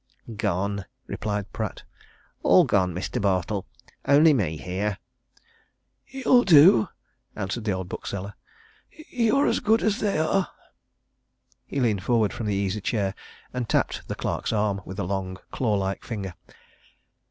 "Gone," replied Pratt. "All gone, Mr. Bartle only me here." "You'll do," answered the old bookseller. "You're as good as they are." He leaned forward from the easy chair, and tapped the clerk's arm with a long, claw like finger.